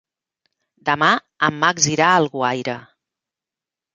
Demà en Max irà a Alguaire.